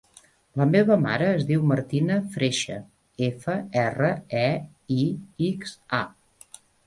La meva mare es diu Martina Freixa: efa, erra, e, i, ics, a.